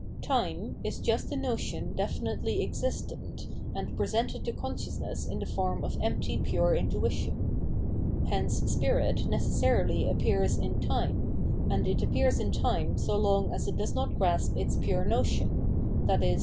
Time is just the notion definitely existent, and pre sented to consciousness in the form of empty pure intuition. Hence spirit necessarily appears in time, and it appears in time so long as it does not grasp its pure notion, i.e.